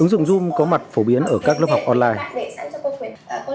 ứng dụng zoom có mặt phổ biến ở các lớp học online